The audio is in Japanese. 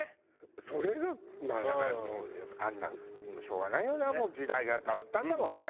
それがだからもうあんなしょうがないよなもう時代が変わったんだもんね。